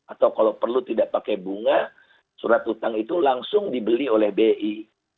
atau kalau perlu tidak pakai bunga surat utang itu langsung dibeli oleh bi